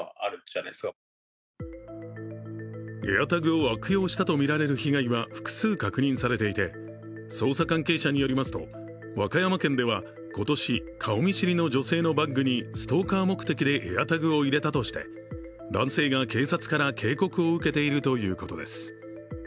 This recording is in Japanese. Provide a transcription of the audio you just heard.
ＡｉｒＴａｇを悪用したとみられる被害は複数確認されていて捜査関係者によりますと和歌山県では今年、顔見知りの女性のバッグにストーカー目的でＡｉｒＴａｇを入れたとして男性が警察から警告を受けているということです。